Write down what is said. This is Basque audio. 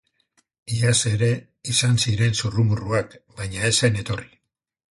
Iaz ere izan ziren zurrumurruak baina ez zen etorri.